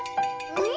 うん。